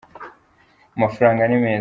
amafaranga nimeza